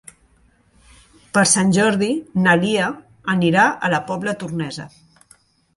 Per Sant Jordi na Lia anirà a la Pobla Tornesa.